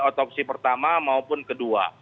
otopsi pertama maupun kedua